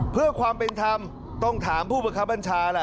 เพื่อความเป็นธรรมต้องถามผู้ประคับบัญชาแหละ